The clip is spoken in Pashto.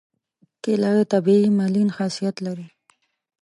کېله د طبیعي ملین خاصیت لري.